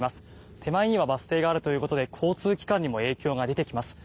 手前にはバス停があるということで交通機関にも影響が出てきます。